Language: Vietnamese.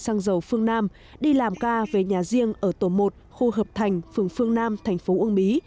sang dầu phương nam đi làm ca về nhà riêng ở tổ một khu hợp thành phường phương nam thành phố uông bí